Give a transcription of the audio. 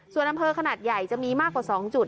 ส่วนอำเภอขนาดใหญ่จะมีมากกว่า๒จุด